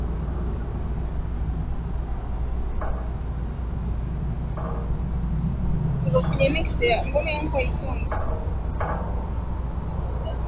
tisa tisini na mbili asilimia themanini na saba walipatikana kuwa wamengolewa jino moja au